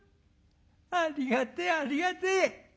ありがてえありがてえ。